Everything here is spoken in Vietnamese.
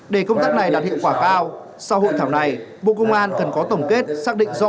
để công tác này đạt hiệu quả cao sau hội thảo này bộ công an cần có tổng kết xác định rõ